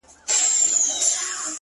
فريادي داده محبت کار په سلگيو نه سي،